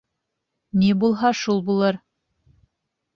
Ни булһа, шул булыр!